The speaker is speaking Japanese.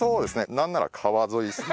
なんなら皮沿いですね。